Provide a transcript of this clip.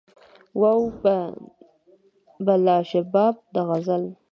وو به به لا شباب د غزل